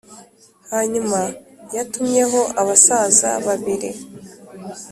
Hanyuma yatumyeho abasaza babiri